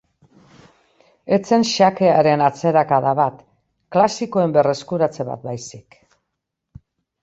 Ez zen xakearen atzerakada bat, klasikoen berreskuratze bat baizik.